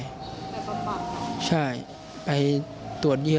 ลูกนั่นแหละที่เป็นคนผิดที่ทำแบบนี้